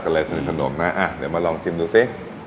รู้จักกันเลยในขนมนะเดี๋ยวมาลองชิมดูซิ